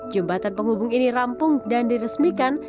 jembatan penghubung ini rampung dan diresmikan